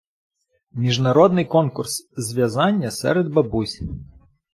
Міжнародний конкурс з в’язання серед бабусь.